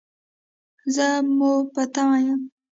زه مو په تمه یم